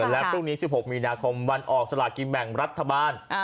และพรุ่งนี้๑๖มีนาคมวันออกสลากินแบ่งรัฐบาล